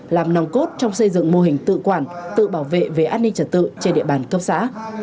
làm nòng cốt trong xây dựng mô hình tự quản tự bảo vệ về an ninh trật tự trên địa bàn cấp xã